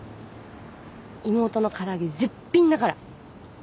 妹の唐揚げ絶品だから。